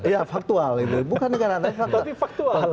ya faktual ini bukan negara tapi faktual